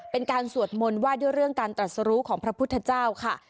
เป็นการสวดมนต์ว่าด้วยเรื่องการตรัสรู้ของพระพุทธเจ้าค่ะ